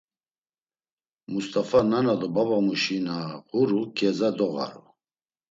Must̆afa, nana do babamuşi na ğuru ǩeza doğaru.